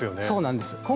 そうなんです